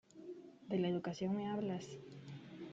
¿De la educación me hablas?